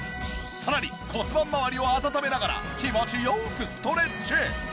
さらに骨盤まわりを温めながら気持ち良くストレッチ。